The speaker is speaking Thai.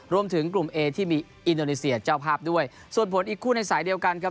รวมถึงกลุ่มเอที่มีอินโดนีเซียเจ้าภาพด้วยส่วนผลอีกคู่ในสายเดียวกันครับ